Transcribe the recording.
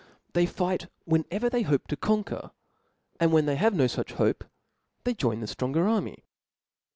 They fight whenever they hope to cofiquer 5 and when they have no fuch hope, they join the ftronger army.